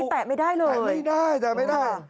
หนูรุกบ่่มไปแต่ได้ที่ไหน